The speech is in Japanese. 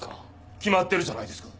決まってるじゃないですか。